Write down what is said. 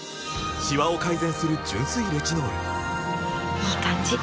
いい感じ！